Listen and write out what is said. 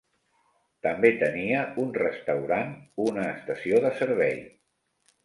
També tenia un restaurant una estació de servei.